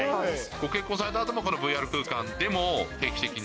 ご結婚されたあとも、このＶＲ空間でも定期的に？